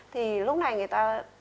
thì lúc này người ta